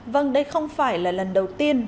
vâng đây không phải là lần đầu tiên